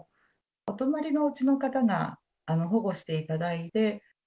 お隣のおうちの方が保護していただいて。